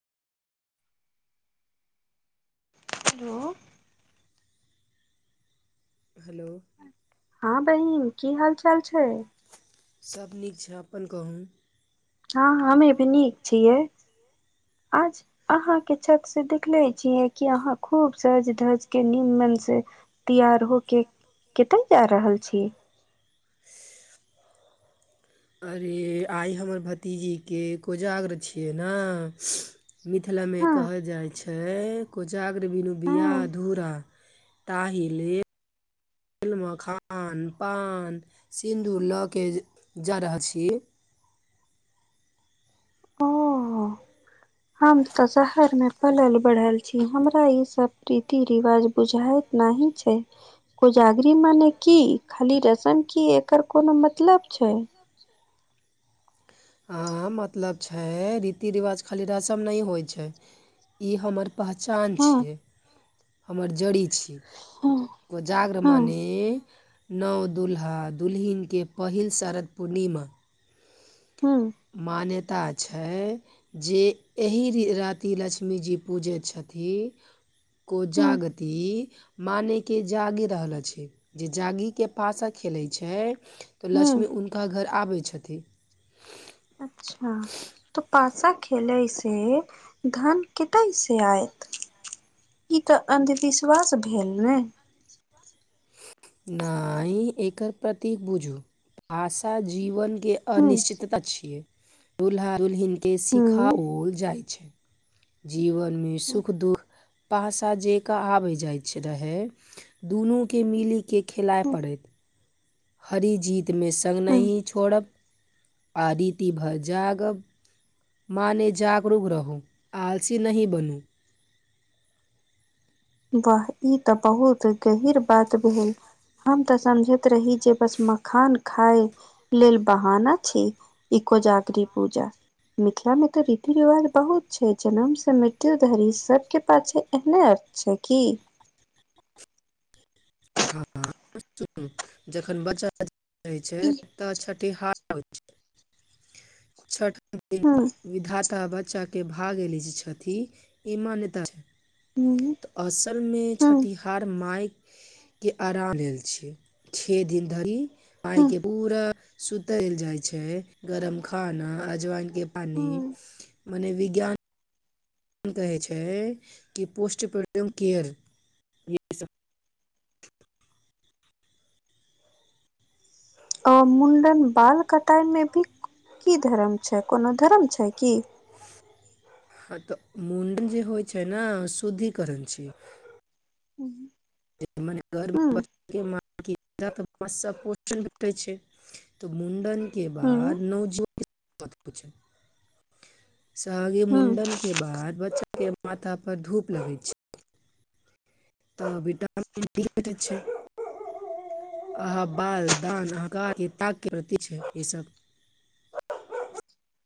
हलो hello हां बहिन की हाल चाल छैइ सभ नीक छै अपन कहु हँ हमे भी नीक छियै आज अहाँ के छत से देखले छियै कि अहाँ खूब सज धज के नीममे से तैयार हो के कतय जा रहल छी अरे आइ हमर भतीजी के कोजागर छियै ने मिथिलामे हँ कहल जाइ छै कोजाग्र बिनु बियाह हँ अधूरा ताहिले मखान पान सिन्दूर लऽ के जा रहल छिए ओ हम तऽ शहरमे पलल बढ़ल छी हमरा ई सभ रीति रिवाज बुझइत नाही छै कोजागरी मान की खाली रसम की एकर कोनो मतलब छै हं मतलब छै रीति रिवाज खाली रसम नहि होइ छै ई हमर पहचान हँ छियै हमर जड़ी छि हँ कोजागर हँ मने नव दुल्हा दुलहिन के पहिल शरद पूर्णिमा हँ माने मान्यता छै जे एहि राति लक्ष्मी जी पूजै छथि हँ कोजागति माने के जागि रहलो अछि जे जागि के पासा खेलै छै तऽ हँ लक्ष्मी हुनका घर आबै छथिन अच्छा तऽ पासा खेलय से धन कतऽ से आयत ई तऽ अन्ध विश्वास भेल ने न ई एकर प्रतीक बुझू आशा जीवन के हूं अनिश्चितता छियै दुल्हा दुलहिन के हूं सिखाओल जाइ छै जीवनमे सुख दुख पाषा जेका आबय जाइत रहै दुनू के मिली खेलाय हूं पड़त हरी जीत में संग हूं नहि छोड़ब आ रीति भऽ जागब माने जागरूक रहू आलसी नहि बनूं वाह ई तऽ बहुत गहींर बात भेल हम तऽ समझैत रही जे बस मखान खाय लेल बहाना छी ई कोजागरी पुजा मिथिला में तऽ रीति रिवाज बहुत छै जन्म से मृत्यु धरि सबके पाछ छै एहने अर्थ छै की ह सुनू जखन बच्चा रह छै त छठिहार छठ दिन हूं विधाता बच बच्चा के भागे लिखई छथिन ई मान्यता छै हूं तऽ असल मे हूं छठिहार माय के आराम लेल छै छे दिन धरि आय हूं के पूरा सुतय जाइ छै गरम खाना अजवाइन के पानि हूं मने विज्ञान कहै छै कि पुस्टपमुख केयर ए सब अ मुंण्डन बाल कटाई मे भी कि धर्म छै कोनो धर्म छै की हँ तऽ मुंण्डन जे होइ छै न शुद्धि करण छी [unintelligible] मने घर मे हूँ बच्चा के मान पोषण भेटै छै तऽ मुंडन के हूँ बाद नवजव सागे हूँ मुंण्डन के बाद बच्चा के माथा पर धूप लगै छै तऽ बेटा [unintelligible] [inaudible] अहाँ बाल दान अहक ताक के प्रती छै ईसभ [unintelligible]